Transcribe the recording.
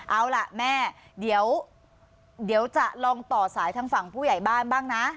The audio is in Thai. เอาล่ะแม่เดี๋ยวจะลองต่อสายทางฝั่งผู้ใหญ่บ้านบ้างนะ